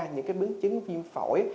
những biến chứng viêm phổi